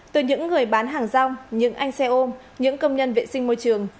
từ những người bán hàng rong những anh xe ôm những công nhân vệ sinh môi trường